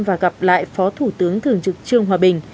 và gặp lại phó thủ tướng thường trực trương hòa bình